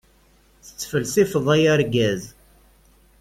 Tettfelsifeḍ a yargaz.